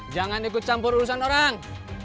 jangan ikut campur urusan orang